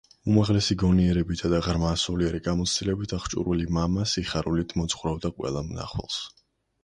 უმაღლესი გონიერებითა და ღრმა სულიერი გამოცდილებით აღჭურვილი მამა სიხარულით მოძღვრავდა ყველა მნახველს.